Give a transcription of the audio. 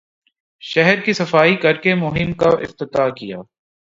شہر کی صفائی کر کے مہم کا افتتاح کیا